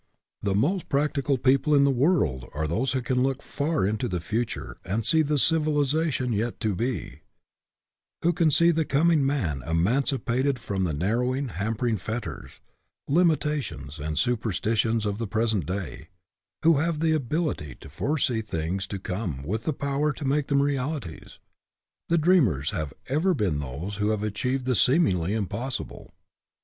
The most practical people in the world are those who can look far into the future and see the civilization yet to be ; who can see the coming man emancipated from the narrowing, hampering fetters, limitations, and supersti tions of the present day ; who have the ability, to foresee things to come with the power to make them realities. The dreamers have ever been those who have achieved the seemingly impossible.